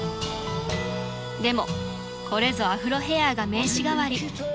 ［でもこれぞアフロヘアが名刺代わり］